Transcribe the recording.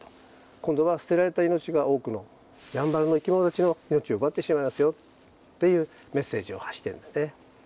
今度は捨てられた命が多くのやんばるの生きものたちの命を奪ってしまいますよっていうメッセージを発してるんですね。